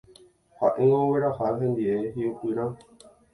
Ha'éngo ogueraha hendive hi'upyrã.